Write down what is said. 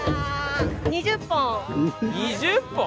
「２０本！？」